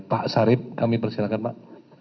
pak sarip kami persilakan pak